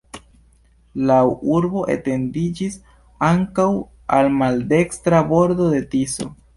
La urbo etendiĝis ankaŭ al maldekstra bordo de Tiso.